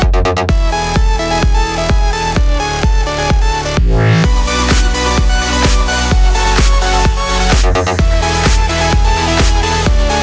สวัสดีครับ